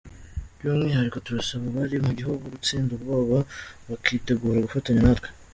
By’umwihariko turasaba abari mu gihugu gutsinda ubwoba bakitegura gufatanya natwe.